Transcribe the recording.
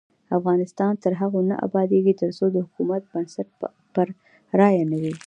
افغانستان تر هغو نه ابادیږي، ترڅو د حکومت بنسټ پر رایه نه وي.